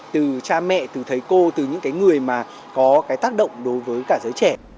từ cha mẹ từ thầy cô từ những cái người mà có cái tác động đối với cả giới trẻ